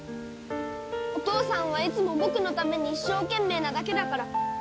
お父さんはいつも僕のために一生懸命なだけだから。